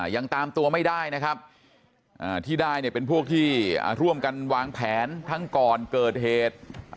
ยังตามตัวไม่ได้นะครับที่ได้เนี่ยเป็นพวกที่ร่วมกันวางแผนทั้งก่อนเกิดเหตุ